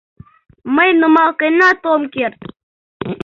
Мый нумал каенат ом керт!